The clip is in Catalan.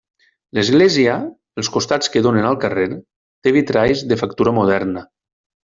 L'església, els costats que donen al carrer, té vitralls de factura moderna.